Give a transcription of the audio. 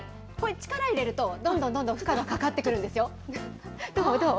これ、力入れるとどんどんどんどん負荷がかかってくるんですよ。